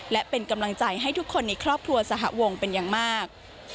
และเป็นกำลังใจให้ทุกคนในครอบครัวสหวงเป็นอย่างมาก